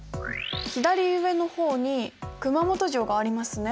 左上の方に熊本城がありますね。